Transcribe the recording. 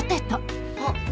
あっ！